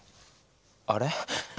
あれ？